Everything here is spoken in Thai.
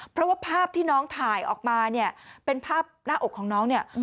เพราะว่าภาพที่น้องถ่ายออกมาเป็นภาพหน้าอกของน้อง